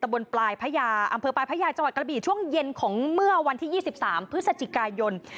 บนปลายพญาอำเภอปลายพระยาจังหวัดกระบี่ช่วงเย็นของเมื่อวันที่๒๓พฤศจิกายน